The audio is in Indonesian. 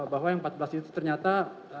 bahwa yang empat belas itu ternyata